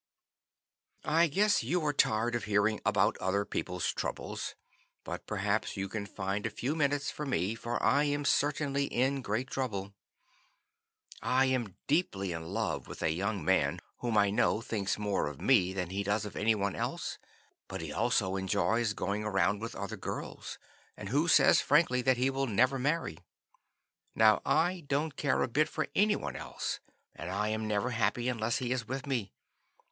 "I guess you are tired of hearing about other people's troubles, but perhaps you can find a few minutes for me, for I am certainly in great trouble. I am deeply in love with a young man whom I know thinks more of me than he does of any one else, but who enjoys going around with other girls, and who says frankly that he will never marry. Now, I don't care a bit for any one else, and I am never happy unless he is with me.